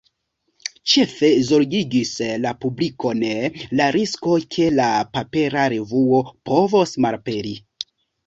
Ĉefe zorgigis la publikon la risko, ke la papera revuo povos malaperi.